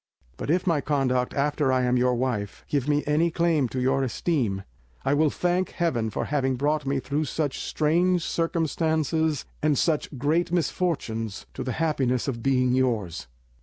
But if my conduct after I am your wife give me any claim to your esteem, I will thank Heaven for having brought me through such strange circumstances and such great misfortunes to the happiness of being yours.